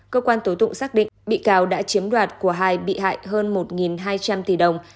cơ quan tố tụng xác định bị cáo đã chiếm đoạt của hai bị hại hơn một hai trăm linh tỷ đồng